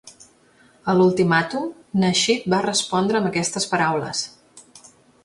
A l'ultimàtum, Nasheed va respondre amb aquestes paraules.